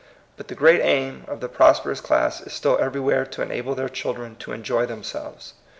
But the great aim of the prosperous class is still everywhere to enable their children to enjoy themselves.